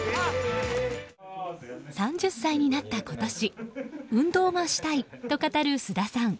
３０歳になった今年運動がしたいと語る菅田さん。